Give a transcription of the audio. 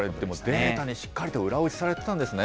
データにしっかりと裏打ちされてたんですね。